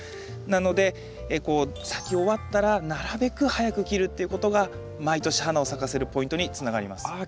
なので咲き終わったらなるべく早く切るっていうことが毎年花を咲かせるポイントにつながります。